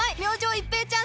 一平ちゃーん！